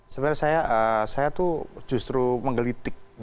sebenarnya saya tuh justru menggelitik